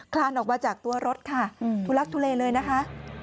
คลานออกมาจากตัวรถค่ะทุลักทุเลเลยนะคะ